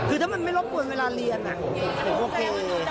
คือถ้ามันไม่รบกวนเวลาเรียนผมโอเค